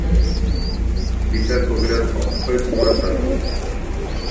পিতা কবিরাজ অক্ষয়কুমার দাশগুপ্ত।